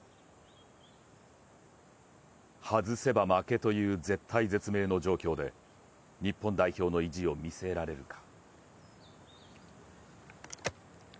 外せば負けという絶体絶命の状況で日本代表の意地を見せられるか。